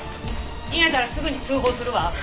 逃げたらすぐに通報するわ。